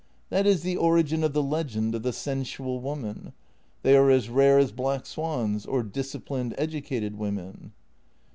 That is the origin of the legend of the sensual woman — they are as rare as black swans, or disciplined, educated women.